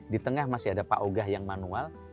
di tengah masih ada paogah yang manual